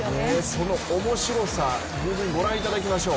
そのおもしろさ、御覧いただきましょう。